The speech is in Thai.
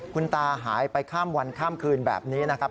คุณตาหายไปข้ามวันข้ามคืนแบบนี้นะครับ